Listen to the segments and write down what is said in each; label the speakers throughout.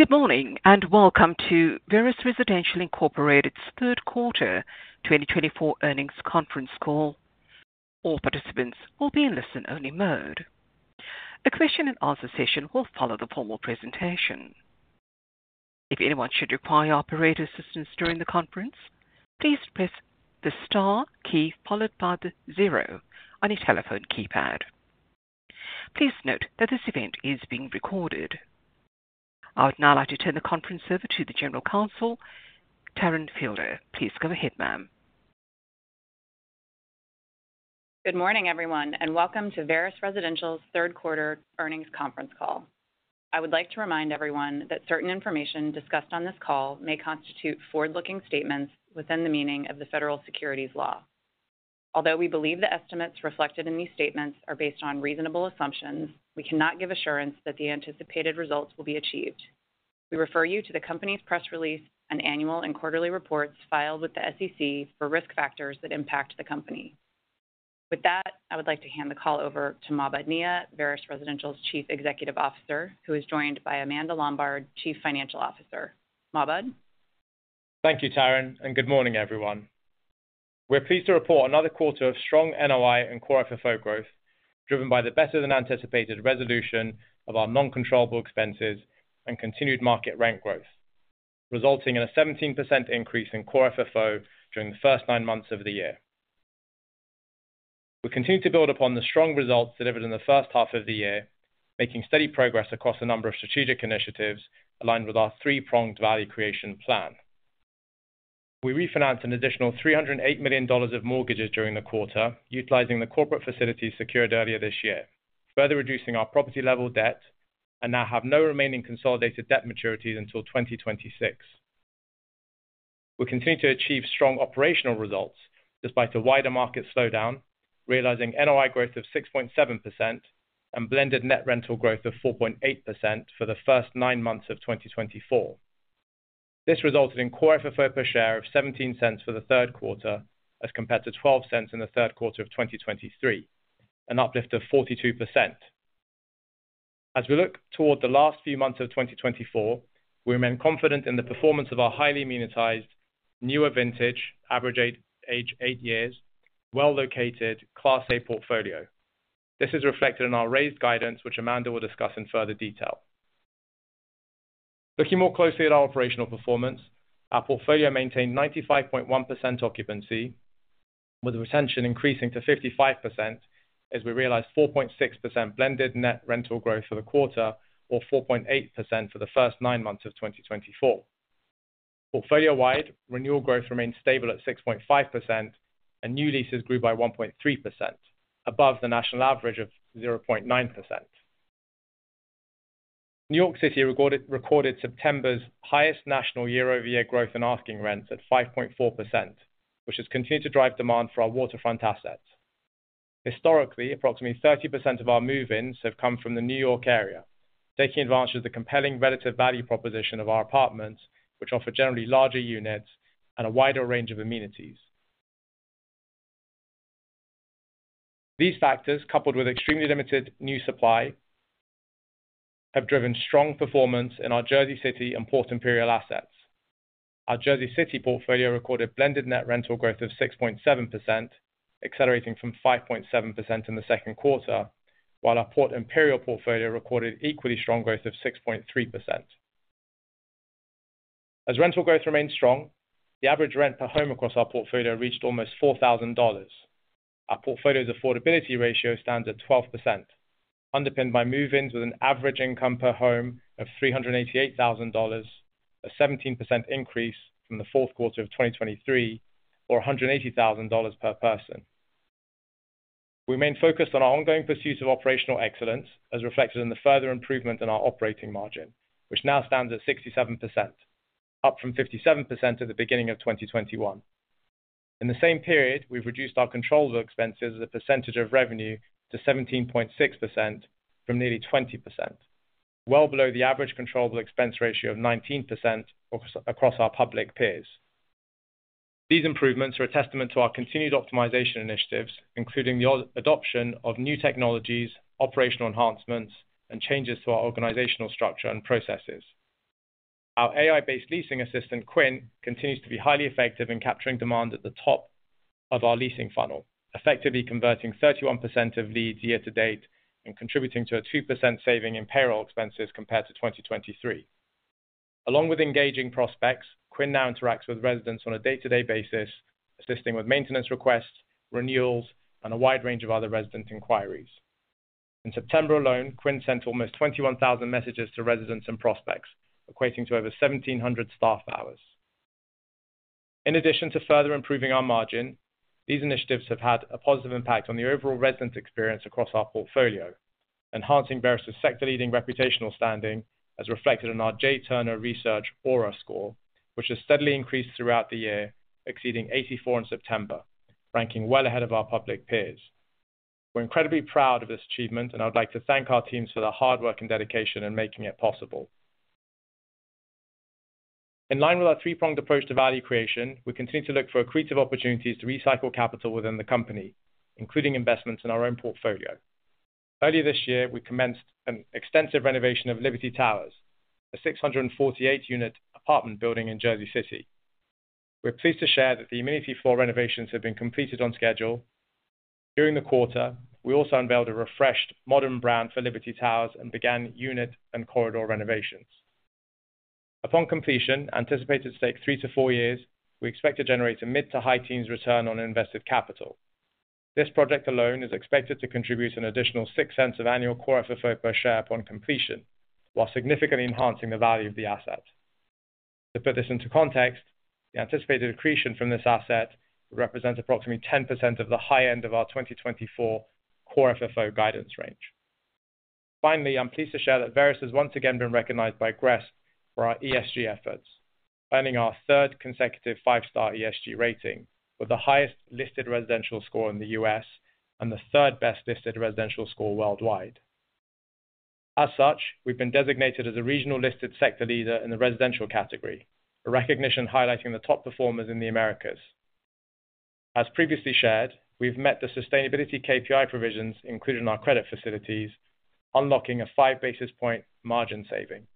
Speaker 1: Good morning and welcome to Veris Residential Incorporated's third quarter 2024 earnings conference call. All participants will be in listen-only mode. A question-and-answer session will follow the formal presentation. If anyone should require operator assistance during the conference, please press the star key followed by the zero on your telephone keypad. Please note that this event is being recorded. I would now like to turn the conference over to the General Counsel, Taryn Fielder. Please go ahead, ma'am.
Speaker 2: Good morning, everyone, and welcome to Veris Residential's third quarter earnings conference call. I would like to remind everyone that certain information discussed on this call may constitute forward-looking statements within the meaning of the federal securities law. Although we believe the estimates reflected in these statements are based on reasonable assumptions, we cannot give assurance that the anticipated results will be achieved. We refer you to the company's press release and annual and quarterly reports filed with the SEC for risk factors that impact the company. With that, I would like to hand the call over to Mahbod Nia, Veris Residential's Chief Executive Officer, who is joined by Amanda Lombard, Chief Financial Officer. Mahbod?
Speaker 3: Thank you, Taryn, and good morning, everyone. We're pleased to report another quarter of strong NOI and core FFO growth, driven by the better-than-anticipated resolution of our non-controllable expenses and continued market rent growth, resulting in a 17% increase in core FFO during the first 9 months of the year. We continue to build upon the strong results delivered in the first half of the year, making steady progress across a number of strategic initiatives aligned with our 3-pronged value creation plan. We refinanced an additional $308 million of mortgages during the quarter, utilizing the corporate facilities secured earlier this year, further reducing our property-level debt and now have no remaining consolidated debt maturities until 2026. We continue to achieve strong operational results despite a wider market slowdown, realizing NOI growth of 6.7% and blended net rental growth of 4.8% for the first 9 months of 2024. This resulted in Core FFO per share of $0.17 for the third quarter as compared to $0.12 in the third quarter of 2023, an uplift of 42%. As we look toward the last few months of 2024, we remain confident in the performance of our highly amenitized, newer vintage, average age eight years, well-located, Class A portfolio. This is reflected in our raised guidance, which Amanda will discuss in further detail. Looking more closely at our operational performance, our portfolio maintained 95.1% occupancy, with retention increasing to 55% as we realized 4.6% blended net rental growth for the quarter, or 4.8% for the first 9 months of 2024. Portfolio-wide, renewal growth remained stable at 6.5%, and new leases grew by 1.3%, above the national average of 0.9%. New York City recorded September's highest national year-over-year growth in asking rents at 5.4%, which has continued to drive demand for our waterfront assets. Historically, approximately 30% of our move-ins have come from the New York area, taking advantage of the compelling relative value proposition of our apartments, which offer generally larger units and a wider range of amenities. These factors, coupled with extremely limited new supply, have driven strong performance in our Jersey City and Port Imperial assets. Our Jersey City portfolio recorded blended net rental growth of 6.7%, accelerating from 5.7% in the second quarter, while our Port Imperial portfolio recorded equally strong growth of 6.3%. As rental growth remained strong, the average rent per home across our portfolio reached almost $4,000. Our portfolio's affordability ratio stands at 12%, underpinned by move-ins with an average income per home of $388,000, a 17% increase from the fourth quarter of 2023, or $180,000 per person. We remain focused on our ongoing pursuit of operational excellence, as reflected in the further improvement in our operating margin, which now stands at 67%, up from 57% at the beginning of 2021. In the same period, we've reduced our controllable expenses as a percentage of revenue to 17.6% from nearly 20%, well below the average controllable expense ratio of 19% across our public peers. These improvements are a testament to our continued optimization initiatives, including the adoption of new technologies, operational enhancements, and changes to our organizational structure and processes. Our AI-based leasing assistant, Quinn, continues to be highly effective in capturing demand at the top of our leasing funnel, effectively converting 31% of leads year-to-date and contributing to a 2% saving in payroll expenses compared to 2023. Along with engaging prospects, Quinn now interacts with residents on a day-to-day basis, assisting with maintenance requests, renewals, and a wide range of other resident inquiries. In September alone, Quinn sent almost 21,000 messages to residents and prospects, equating to over 1,700 staff hours. In addition to further improving our margin, these initiatives have had a positive impact on the overall resident experience across our portfolio, enhancing Veris's sector-leading reputational standing, as reflected in our J Turner Research ORA Score, which has steadily increased throughout the year, exceeding 84 in September, ranking well ahead of our public peers. We're incredibly proud of this achievement, and I would like to thank our teams for their hard work and dedication in making it possible. In line with our 3-pronged approach to value creation, we continue to look for accretive opportunities to recycle capital within the company, including investments in our own portfolio. Earlier this year, we commenced an extensive renovation of Liberty Towers, a 648-unit apartment building in Jersey City. We're pleased to share that the amenity floor renovations have been completed on schedule. During the quarter, we also unveiled a refreshed, modern brand for Liberty Towers and began unit and corridor renovations. Upon completion, anticipated to take 3-4 years, we expect to generate a mid-to-high teens return on invested capital. This project alone is expected to contribute an additional 6% of annual Core FFO per share upon completion, while significantly enhancing the value of the asset. To put this into context, the anticipated accretion from this asset would represent approximately 10% of the high end of our 2024 Core FFO guidance range. Finally, I'm pleased to share that Veris has once again been recognized by GRESB for our ESG efforts, earning our third consecutive 5-star ESG rating, with the highest listed residential score in the U.S. and the third best listed residential score worldwide. As such, we've been designated as a regional listed sector leader in the residential category, a recognition highlighting the top performers in the Americas. As previously shared, we've met the sustainability KPI provisions included in our credit facilities, unlocking a 5 basis point margin saving.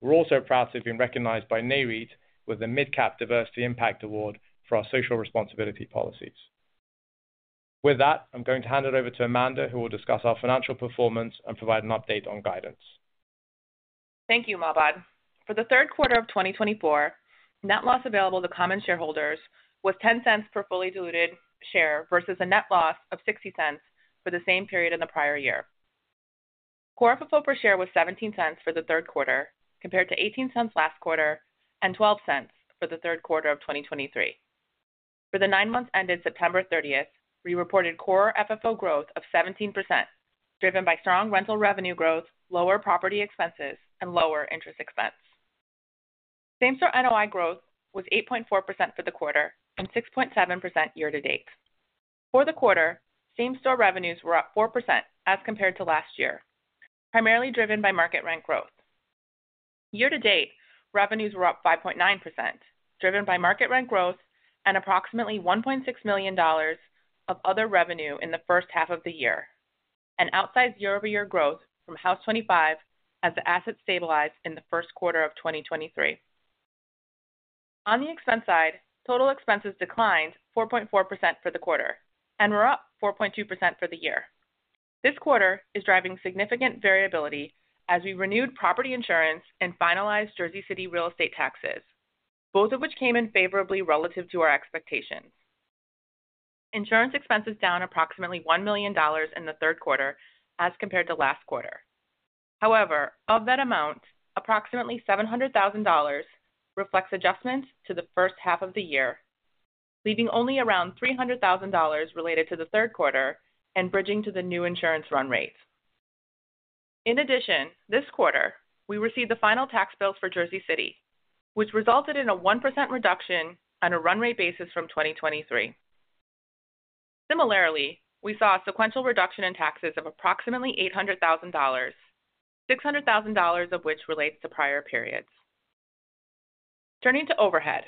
Speaker 3: We're also proud to have been recognized by NAREIT with the Mid-Cap Diversity Impact Award for our social responsibility policies. With that, I'm going to hand it over to Amanda, who will discuss our financial performance and provide an update on guidance.
Speaker 4: Thank you, Mahbod. For the third quarter of 2024, net loss available to common shareholders was $0.10 per fully diluted share versus a net loss of $0.60 for the same period in the prior year. Core FFO per share was $0.17 for the third quarter, compared to $0.18 last quarter and $0.12 for the third quarter of 2023. For the 9 months ended September 30, we reported core FFO growth of 17%, driven by strong rental revenue growth, lower property expenses, and lower interest expense. Same-store NOI growth was 8.4% for the quarter and 6.7% year-to-date. For the quarter, same-store revenues were up 4% as compared to last year, primarily driven by market rent growth. Year-to-date, revenues were up 5.9%, driven by market rent growth and approximately $1.6 million of other revenue in the first half of the year, and outsized year-over-year growth from Haus25 as the asset stabilized in the first quarter of 2023. On the expense side, total expenses declined 4.4% for the quarter and were up 4.2% for the year. This quarter is driving significant variability as we renewed property insurance and finalized Jersey City real estate taxes, both of which came in favorably relative to our expectations. Insurance expenses down approximately $1 million in the third quarter as compared to last quarter. However, of that amount, approximately $700,000 reflects adjustments to the first half of the year, leaving only around $300,000 related to the third quarter and bridging to the new insurance run rates. In addition, this quarter, we received the final tax bills for Jersey City, which resulted in a 1% reduction on a run rate basis from 2023. Similarly, we saw a sequential reduction in taxes of approximately $800,000, $600,000 of which relates to prior periods. Turning to overhead,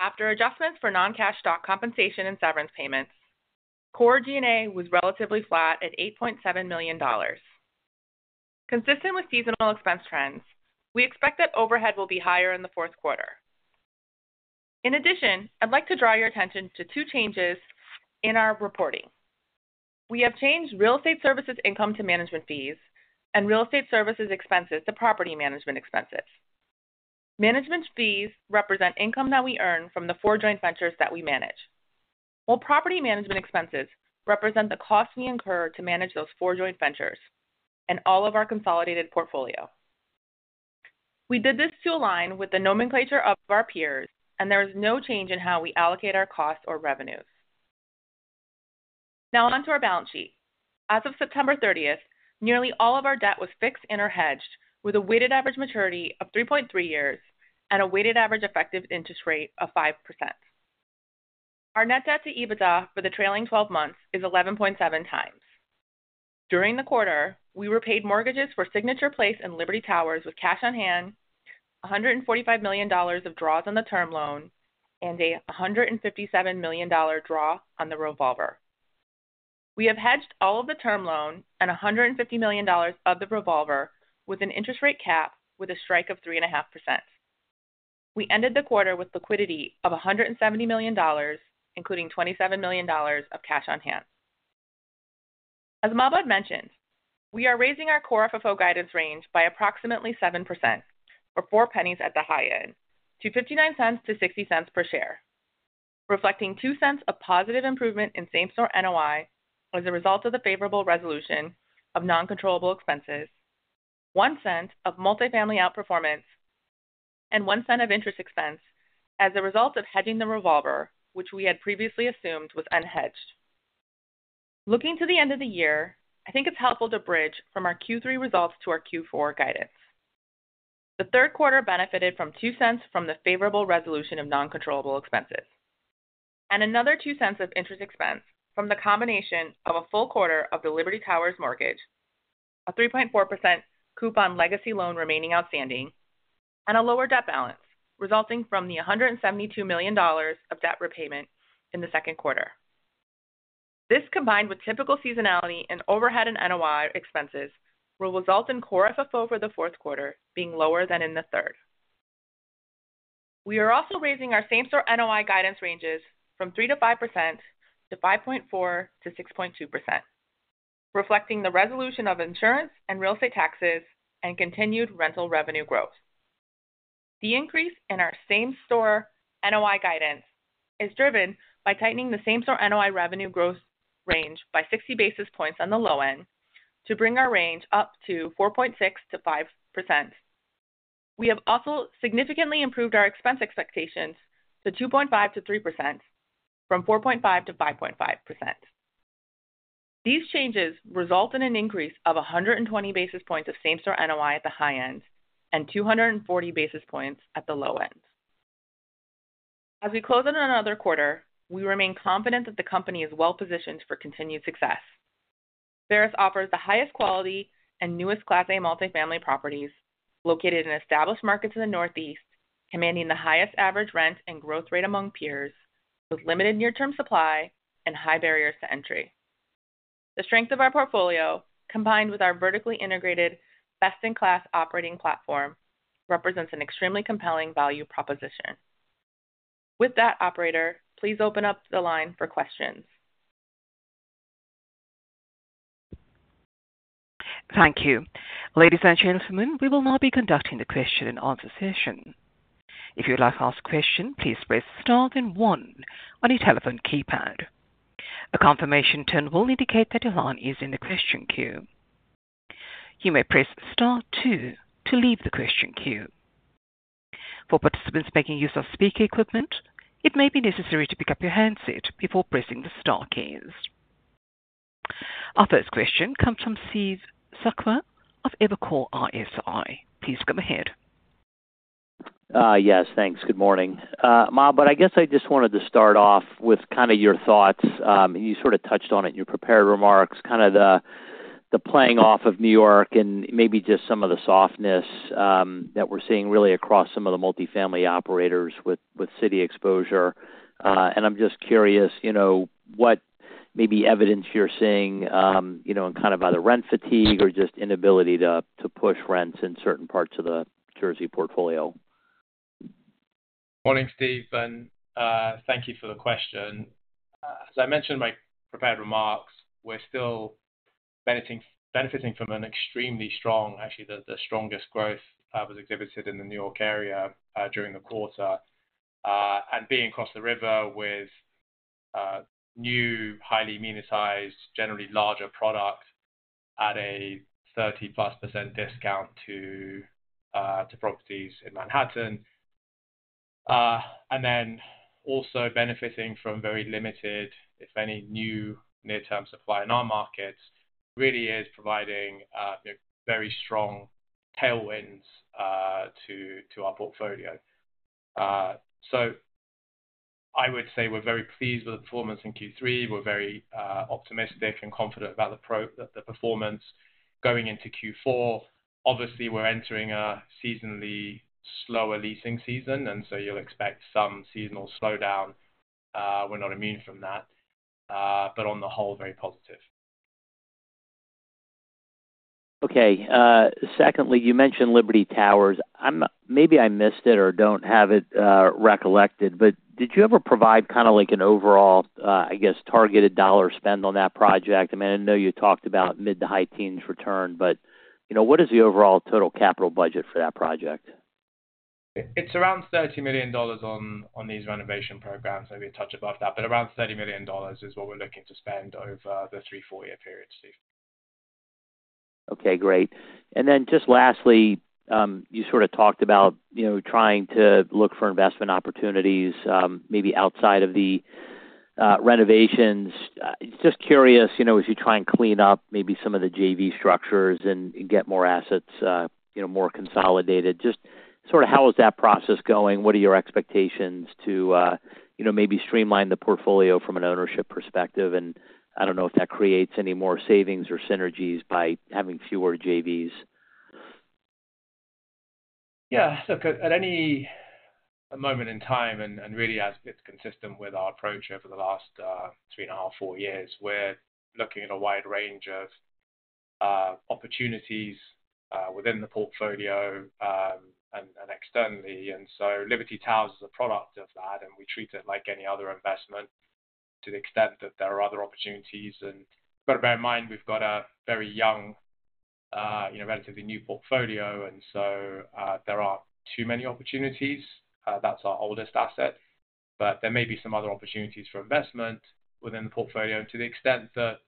Speaker 4: after adjustments for non-cash stock compensation and severance payments, core G&A was relatively flat at $8.7 million. Consistent with seasonal expense trends, we expect that overhead will be higher in the fourth quarter. In addition, I'd like to draw your attention to 2 changes in our reporting. We have changed real estate services income to management fees and real estate services expenses to property management expenses. Management fees represent income that we earn from the 4 joint ventures that we manage, while property management expenses represent the cost we incur to manage those 4 joint ventures and all of our consolidated portfolio. We did this to align with the nomenclature of our peers, and there is no change in how we allocate our costs or revenues. Now onto our balance sheet. As of September 30, nearly all of our debt was fixed and hedged, with a weighted average maturity of 3.3 years and a weighted average effective interest rate of 5%. Our net debt to EBITDA for the trailing 12 months is 11.7 times. During the quarter, we repaid mortgages for Signature Place and Liberty Towers with cash on hand, $145 million of draws on the term loan, and a $157 million draw on the revolver. We have hedged all of the term loan and $150 million of the revolver with an interest rate cap with a strike of 3.5%. We ended the quarter with liquidity of $170 million, including $27 million of cash on hand. As Mahbod mentioned, we are raising our Core FFO guidance range by approximately 7%, or four pennies at the high end, to $0.59-0.60 per share, reflecting 2% of positive improvement in same-store NOI as a result of the favorable resolution of non-controllable expenses, 1% of multifamily outperformance, and 1% of interest expense as a result of hedging the revolver, which we had previously assumed was unhedged. Looking to the end of the year, I think it's helpful to bridge from our Q3 results to our Q4 guidance. The third quarter benefited from 2% from the favorable resolution of non-controllable expenses and another 2% of interest expense from the combination of a full quarter of the Liberty Towers mortgage, a 3.4% coupon legacy loan remaining outstanding, and a lower debt balance resulting from the $172 million of debt repayment in the second quarter. This, combined with typical seasonality and overhead and NOI expenses, will result in Core FFO for the fourth quarter being lower than in the third. We are also raising our same-store NOI guidance ranges from 3%-5 to 5.4%-6.2, reflecting the resolution of insurance and real estate taxes and continued rental revenue growth. The increase in our same-store NOI guidance is driven by tightening the same-store NOI revenue growth range by 60 basis points on the low end to bring our range up to 4.6%-5. We have also significantly improved our expense expectations to 2.5%-3 from 4.5%-5.5. These changes result in an increase of 120 basis points of same-store NOI at the high end and 240 basis points at the low end. As we close in another quarter, we remain confident that the company is well-positioned for continued success. Veris offers the highest quality and newest Class A multifamily properties located in established markets in the Northeast, commanding the highest average rent and growth rate among peers, with limited near-term supply and high barriers to entry. The strength of our portfolio, combined with our vertically integrated best-in-class operating platform, represents an extremely compelling value proposition. With that, operator, please open up the line for questions.
Speaker 1: Thank you. Ladies and gentlemen, we will now be conducting the question and answer session. If you would like to ask a question, please press Star then One on your telephone keypad. A confirmation tone will indicate that your line is in the question queue. You may press Star two to leave the question queue. For participants making use of speaker equipment, it may be necessary to pick up your handset before pressing the Star keys. Our first question comes from Steve Sakwa of Evercore ISI. Please go ahead.
Speaker 5: Yes, thanks. Good morning, Mahbod. I guess I just wanted to start off with kind of your thoughts. You sort of touched on it in your prepared remarks, kind of the playing off of New York and maybe just some of the softness that we're seeing really across some of the multifamily operators with city exposure. And I'm just curious what maybe evidence you're seeing in kind of either rent fatigue or just inability to push rents in certain parts of the Jersey portfolio?
Speaker 3: Morning, Steve, and thank you for the question. As I mentioned in my prepared remarks, we're still benefiting from an extremely strong, actually the strongest growth that was exhibited in the New York area during the quarter, and being across the river with new, highly amenitized, generally larger product at a 30+% discount to properties in Manhattan, and then also benefiting from very limited, if any, new near-term supply in our markets really is providing very strong tailwinds to our portfolio. So I would say we're very pleased with the performance in Q3. We're very optimistic and confident about the performance going into Q4. Obviously, we're entering a seasonally slower leasing season, and so you'll expect some seasonal slowdown. We're not immune from that, but on the whole, very positive.
Speaker 5: Okay. Secondly, you mentioned Liberty Towers. Maybe I missed it or don't have it recollected, but did you ever provide kind of like an overall, I guess, targeted dollar spend on that project? I mean, I know you talked about mid-to-high teens return, but what is the overall total capital budget for that project?
Speaker 3: It's around $30 million on these renovation programs. Maybe a touch above that, but around $30 million is what we're looking to spend over the 3-4 year period, Steve.
Speaker 5: Okay, great. And then just lastly, you sort of talked about trying to look for investment opportunities maybe outside of the renovations. Just curious, as you try and clean up maybe some of the JV structures and get more assets more consolidated, just sort of how is that process going? What are your expectations to maybe streamline the portfolio from an ownership perspective? And I don't know if that creates any more savings or synergies by having fewer JVs.
Speaker 3: Yeah. So at any moment in time, and really as it's consistent with our approach over the last 3.5, 4 years, we're looking at a wide range of opportunities within the portfolio and externally. And so Liberty Towers is a product of that, and we treat it like any other investment to the extent that there are other opportunities. And you've got to bear in mind we've got a very young, relatively new portfolio, and so there aren't too many opportunities. That's our oldest asset, but there may be some other opportunities for investment within the portfolio. And to the extent that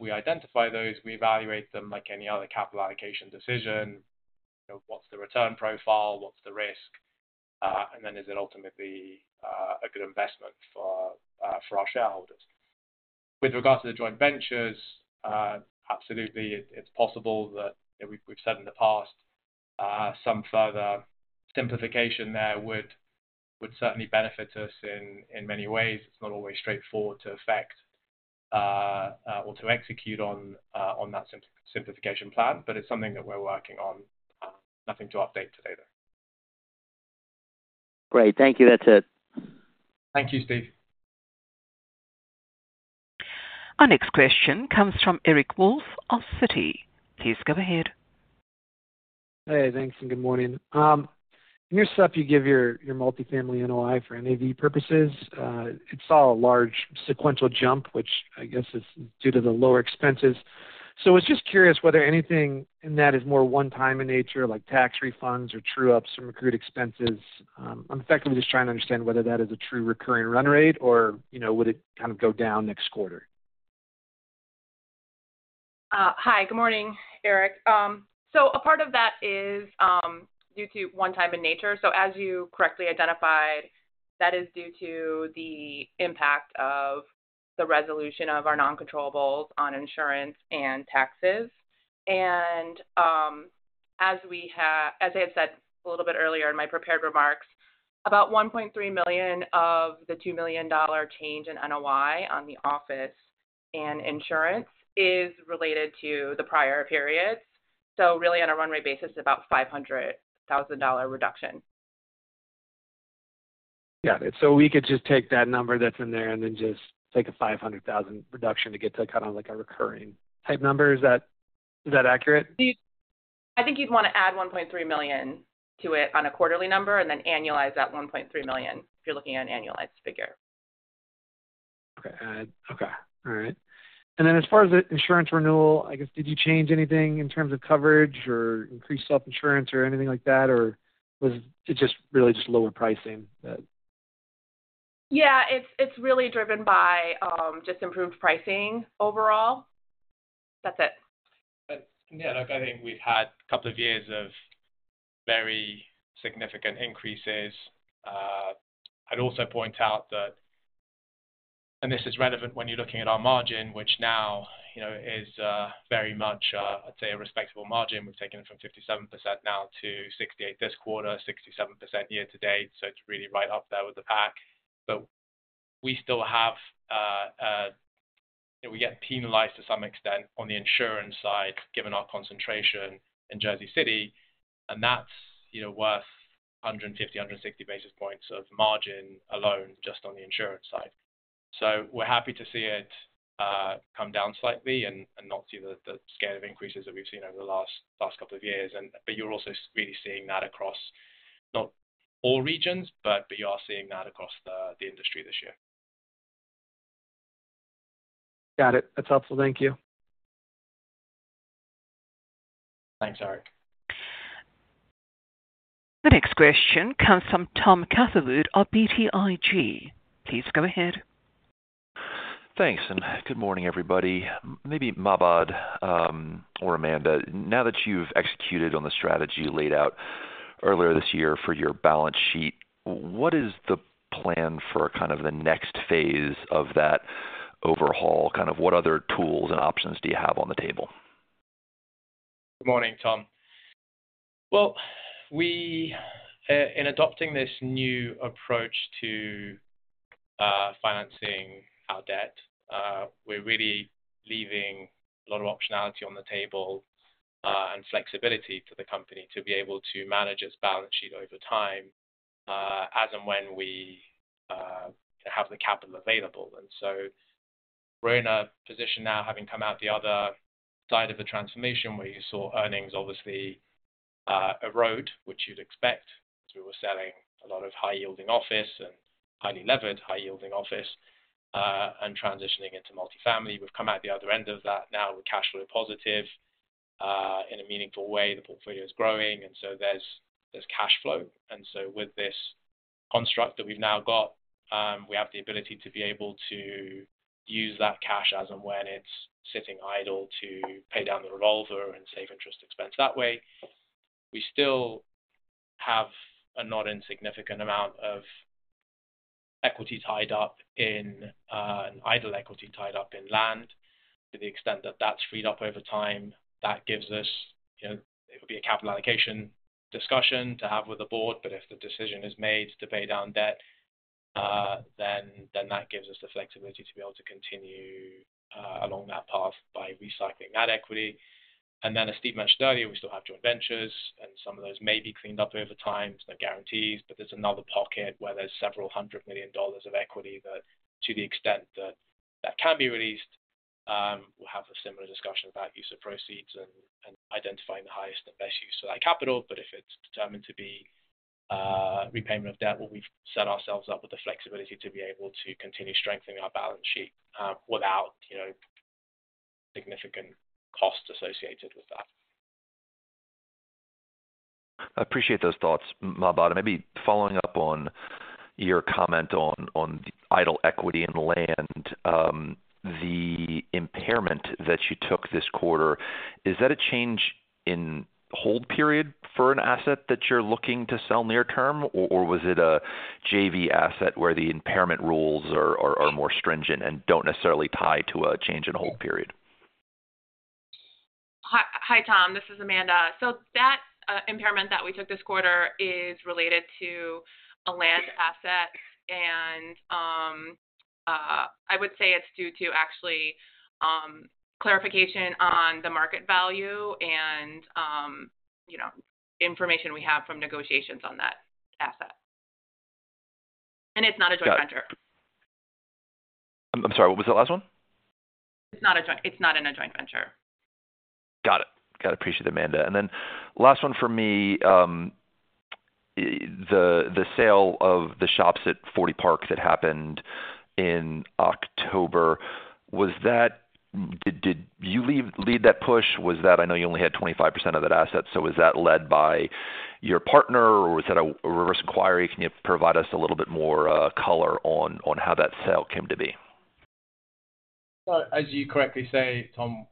Speaker 3: we identify those, we evaluate them like any other capital allocation decision. What's the return profile? What's the risk? And then is it ultimately a good investment for our shareholders? With regards to the joint ventures, absolutely, it's possible that we've said in the past some further simplification there would certainly benefit us in many ways. It's not always straightforward to affect or to execute on that simplification plan, but it's something that we're working on. Nothing to update today, though.
Speaker 5: Great. Thank you. That's it.
Speaker 3: Thank you, Steve.
Speaker 1: Our next question comes from Eric Wolfe of Citi. Please go ahead.
Speaker 6: Hey, thanks. And good morning. In your setup, you give your multifamily NOI for NAV purposes. It's all a large sequential jump, which I guess is due to the lower expenses. So I was just curious whether anything in that is more one-time in nature, like tax refunds or true-ups from accrued expenses. I'm effectively just trying to understand whether that is a true recurring run rate or would it kind of go down next quarter.
Speaker 4: Hi, good morning, Eric. So a part of that is due to one-time in nature. So as you correctly identified, that is due to the impact of the resolution of our non-controllables on insurance and taxes. And as I had said a little bit earlier in my prepared remarks, about $1.3 million of the $2 million change in NOI on the office and insurance is related to the prior periods. So really, on a run rate basis, about a $500,000 reduction.
Speaker 6: Got it. So we could just take that number that's in there and then just take a $500,000 reduction to get to kind of like a recurring type number. Is that accurate?
Speaker 4: I think you'd want to add $1.3 million to it on a quarterly number and then annualize that $1.3 million if you're looking at an annualized figure.
Speaker 6: Then, as far as the insurance renewal, I guess, did you change anything in terms of coverage or increased self-insurance or anything like that, or was it just really lower pricing?
Speaker 4: Yeah, it's really driven by just improved pricing overall. That's it.
Speaker 3: Yeah. Look, I think we've had a couple of years of very significant increases. I'd also point out that, and this is relevant when you're looking at our margin, which now is very much, I'd say, a respectable margin. We've taken it from 57% now to 68 this quarter, 67% year-to-date. So it's really right up there with the pack. But we still have, we get penalized to some extent on the insurance side, given our concentration in Jersey City, and that's worth 150-160 basis points of margin alone just on the insurance side. So we're happy to see it come down slightly and not see the scale of increases that we've seen over the last couple of years. But you're also really seeing that across not all regions, but you are seeing that across the industry this year.
Speaker 6: Got it. That's helpful. Thank you.
Speaker 3: Thanks, Eric.
Speaker 1: The next question comes from Tom Catherwood of BTIG. Please go ahead.
Speaker 7: Thanks and good morning, everybody. Maybe Mahbod or Amanda. Now that you've executed on the strategy laid out earlier this year for your balance sheet, what is the plan for kind of the next phase of that overhaul? Kind of what other tools and options do you have on the table?
Speaker 3: Good morning, Tom. In adopting this new approach to financing our debt, we're really leaving a lot of optionality on the table and flexibility to the company to be able to manage its balance sheet over time as and when we have the capital available. And so we're in a position now, having come out the other side of the transformation where you saw earnings obviously erode, which you'd expect as we were selling a lot of high-yielding office and highly levered, high-yielding office and transitioning into multifamily. We've come out the other end of that now with cash flow positive in a meaningful way. The portfolio is growing, and so there's cash flow. And so with this construct that we've now got, we have the ability to be able to use that cash as and when it's sitting idle to pay down the revolver and save interest expense that way. We still have a not insignificant amount of equity tied up in idle land to the extent that that's freed up over time. That gives us, it would be a capital allocation discussion to have with the board, but if the decision is made to pay down debt, then that gives us the flexibility to be able to continue along that path by recycling that equity. And then, as Steve mentioned earlier, we still have joint ventures, and some of those may be cleaned up over time. There's no guarantees, but there's another pocket where there's several hundred million dollars of equity that, to the extent that that can be released, we'll have a similar discussion about use of proceeds and identifying the highest and best use for that capital. But if it's determined to be repayment of debt, we've set ourselves up with the flexibility to be able to continue strengthening our balance sheet without significant costs associated with that.
Speaker 7: I appreciate those thoughts, Mahbod. Maybe following up on your comment on the idle equity and land, the impairment that you took this quarter, is that a change in hold period for an asset that you're looking to sell near-term, or was it a JV asset where the impairment rules are more stringent and don't necessarily tie to a change in hold period?
Speaker 4: Hi, Tom. This is Amanda. So that impairment that we took this quarter is related to a land asset, and I would say it's due to, actually, clarification on the market value and information we have from negotiations on that asset. And it's not a joint venture.
Speaker 7: Got it. I'm sorry. What was that last one?
Speaker 4: It's not in a joint venture.
Speaker 7: Got it. Got it. Appreciate it, Amanda, and then last one for me, the sale of The Shops at 40 Park that happened in October, did you lead that push? I know you only had 25% of that asset, so was that led by your partner, or was that a reverse inquiry? Can you provide us a little bit more color on how that sale came to be?
Speaker 3: As you correctly say, Tom,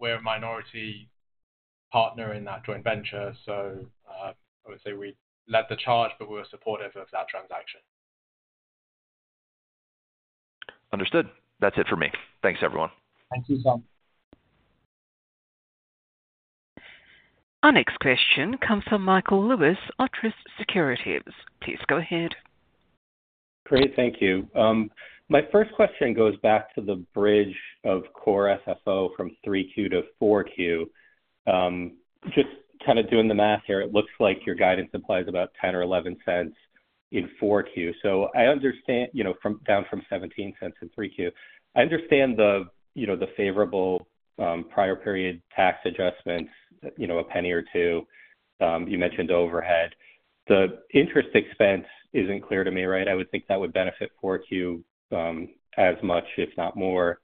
Speaker 3: we're a minority partner in that joint venture. I would say we led the charge, but we were supportive of that transaction.
Speaker 7: Understood. That's it for me. Thanks, everyone.
Speaker 3: Thank you, Tom.
Speaker 1: Our next question comes from Michael Lewis at Truist Securities. Please go ahead.
Speaker 8: Great. Thank you. My first question goes back to the bridge of core FFO from 3Q-4. Just kind of doing the math here, it looks like your guidance implies about $0.10 or 0.11 in 4Q. So I understand down from $0.17 in 3Q. I understand the favorable prior period tax adjustments, $0.01 or 0.02. You mentioned overhead. The interest expense isn't clear to me, right? I would think that would benefit 4Q as much, if not more.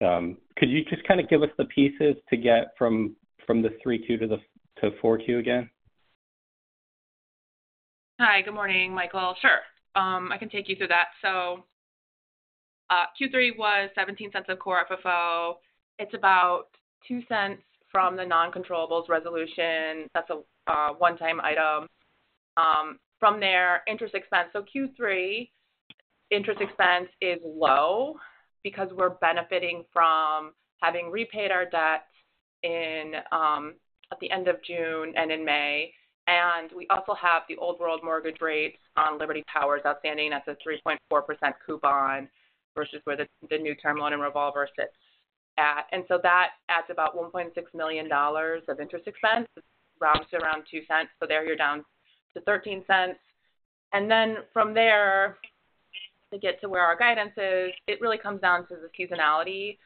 Speaker 8: Could you just kind of give us the pieces to get from the 3Q-4 again?
Speaker 4: Hi, good morning, Michael. Sure. I can take you through that. So Q3 was $0.17 of core FFO. It's about $0.02 from the non-controllables resolution. That's a one-time item. From there, interest expense. So Q3, interest expense is low because we're benefiting from having repaid our debt at the end of June and in May. And we also have the old-world mortgage rates on Liberty Towers outstanding. That's a 3.4% coupon versus where the new term loan and revolver sits at. And so that adds about $1.6 million of interest expense. It rounds to around $0.02. So there you're down to $0.13. And then from there, to get to where our guidance is, it really comes down to the seasonality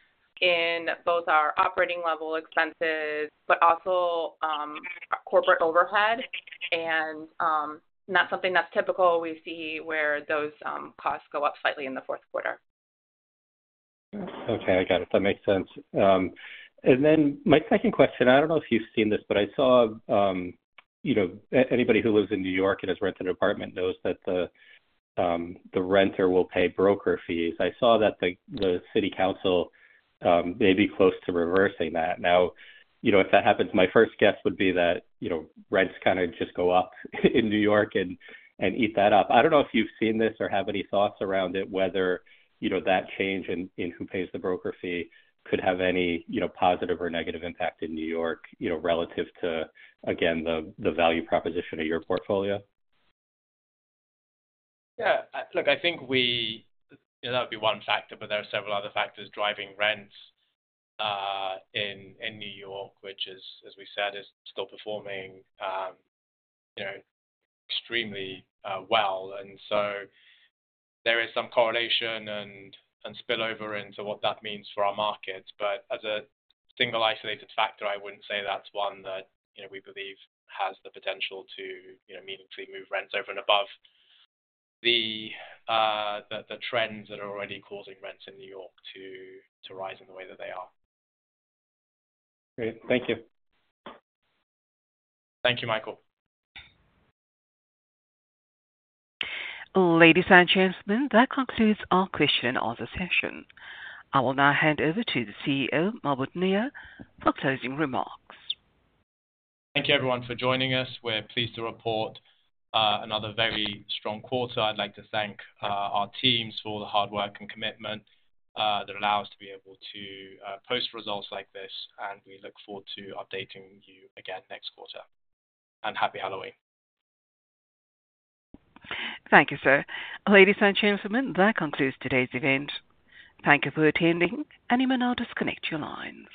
Speaker 4: in both our operating-level expenses, but also our corporate overhead. And that's something that's typical. We see where those costs go up slightly in the fourth quarter.
Speaker 8: Okay. I got it. That makes sense. And then my second question, I don't know if you've seen this, but I saw anybody who lives in New York and has rented an apartment knows that the renter will pay broker fees. I saw that the city council may be close to reversing that. Now, if that happens, my first guess would be that rents kind of just go up in New York and eat that up. I don't know if you've seen this or have any thoughts around it, whether that change in who pays the broker fee could have any positive or negative impact in New York relative to, again, the value proposition of your portfolio.
Speaker 3: Yeah. Look, I think that would be one factor, but there are several other factors driving rents in New York, which, as we said, is still performing extremely well. And so there is some correlation and spillover into what that means for our markets. But as a single isolated factor, I wouldn't say that's one that we believe has the potential to meaningfully move rents over and above the trends that are already causing rents in New York to rise in the way that they are.
Speaker 8: Great. Thank you.
Speaker 3: Thank you, Michael.
Speaker 1: Ladies and gentlemen, that concludes our question and answer session. I will now hand over to the CEO, Mahbod Nia, for closing remarks.
Speaker 3: Thank you, everyone, for joining us. We're pleased to report another very strong quarter. I'd like to thank our teams for the hard work and commitment that allow us to be able to post results like this, and we look forward to updating you again next quarter, and happy Halloween.
Speaker 1: Thank you, sir. Ladies and gentlemen, that concludes today's event. Thank you for attending, and you may now disconnect your lines.